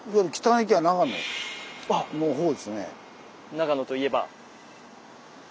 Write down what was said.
長野といえば。